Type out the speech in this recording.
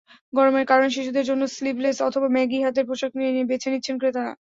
গরমের কারণে শিশুদের জন্য স্লিভলেস, অথবা ম্যাগি হাতের পোশাক বেছে নিচ্ছেন ক্রেতারা।